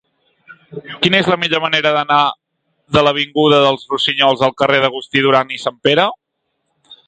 Quina és la millor manera d'anar de l'avinguda dels Rossinyols al carrer d'Agustí Duran i Sanpere?